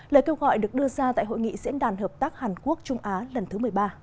lời kêu gọi được đưa ra tại hội nghị diễn đàn hợp tác hàn quốc trung á lần thứ một mươi ba